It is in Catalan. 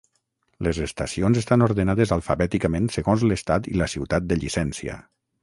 Les estacions estan ordenades alfabèticament segons l'estat i la ciutat de llicència.